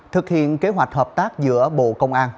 thực hiện kế hoạch hợp tác giữa bộ công an